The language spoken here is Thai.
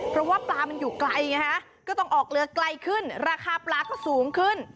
เพราะว่าปลามันอยู่ไกลไงฮะก็ต้องออกเรือไกลขึ้นราคาปลาก็สูงขึ้น